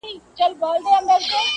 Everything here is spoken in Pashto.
په نس ماړه او پړسېدلي کارغان!